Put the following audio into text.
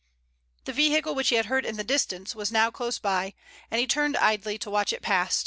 The vehicle which he had heard in the distance was now close by, and he turned idly to watch it pass.